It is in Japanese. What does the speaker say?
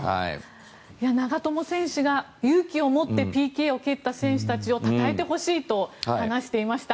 長友選手が勇気を持ってＰＫを蹴った選手をたたえてほしいと話していました。